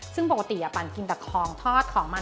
ซึ่งปกติปั่นกินแต่ของทอดของมัน